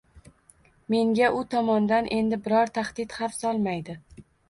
Menga u tomondan endi biror tahdid xavf solmaydi.